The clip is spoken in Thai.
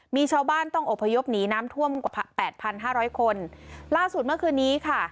มีชาวบ้านต้องอบพยพหนีน้ำท่วมกว่าแปดพันห้าร้อยคนล่าสุดเมื่อคืนนี้ค่ะ